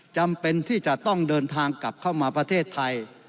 จำเป็นที่จะต้องเดินทางกลับเข้ามาประเทศไทย